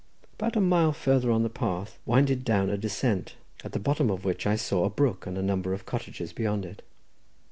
About a mile farther on the path winded down a descent, at the bottom of which I saw a brook and a number of cottages beyond it.